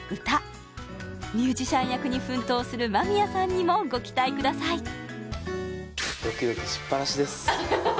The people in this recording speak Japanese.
歌ミュージシャン役に奮闘する間宮さんにもご期待ください